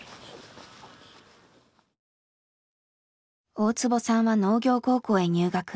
大坪さんは農業高校へ入学。